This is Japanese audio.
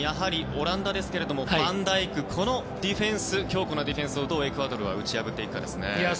オランダですけどファンダイクの強固なディフェンスをどうエクアドルは打ち破っていくかですね。